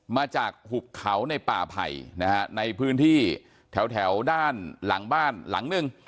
หุบเขาในป่าไผ่นะฮะในพื้นที่แถวด้านหลังบ้านหลังหนึ่ง